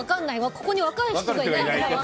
ここに若い人がいないから。